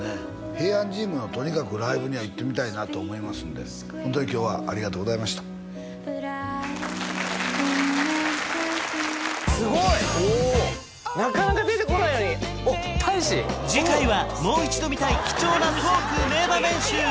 平安神宮のとにかくライブには行ってみたいなと思いますんでホントに今日はありがとうございましたすごい！なかなか出てこないのに次回はもう一度見たい貴重なトーク名場面集！